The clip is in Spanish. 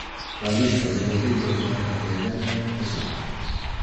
La lista de los libros de Arrate Egaña es larga.